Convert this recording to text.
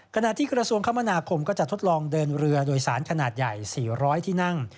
ขณะที่กระทรวงคมนาคมก็จะทดลองเดินเรือโดยสารขนาดใหญ่๔๐๐ที่นั่ง